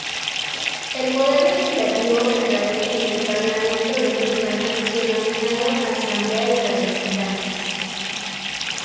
El poder legislativo recae en el Parlamento del Líbano, denominado Asamblea de Representantes.